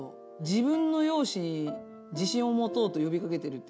自分の容姿に自信を持とうと呼びかけてると。